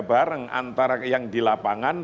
bareng antara yang di lapangan